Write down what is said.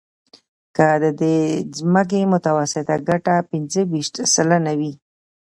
که د دې ځمکې متوسطه ګټه پنځه ویشت سلنه وي